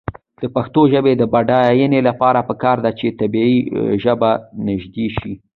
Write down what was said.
د پښتو ژبې د بډاینې لپاره پکار ده چې طبعي ژبه نژدې شي.